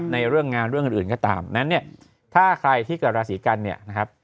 ในเรื่องงานเรื่องอื่นก็ตามนั้นเนี่ยถ้าใครที่เกิดราศีกันเนี่ยนะครับ